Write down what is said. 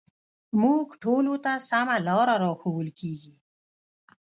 موږ ټولو ته سمه لاره راښوول کېږي